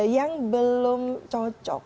yang belum cocok